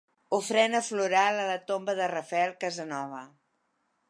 Ofrena floral a la tomba de Rafael Casanova.